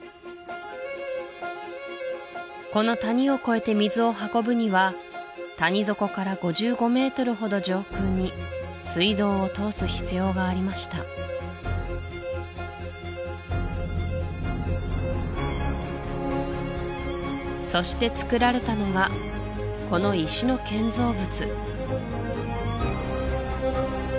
この谷を越えて水を運ぶには谷底から５５メートルほど上空に水道を通す必要がありましたそしてつくられたのがこの石の建造物